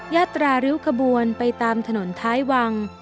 ยาตราริ้วขบวนไปตามถนนท้ายวัง